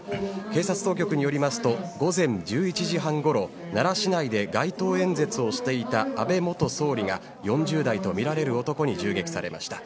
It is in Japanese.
警察当局によりますと午前１１時半ごろ奈良市内で街頭演説をしていた安倍元総理が４０代とみられる男に銃撃されました。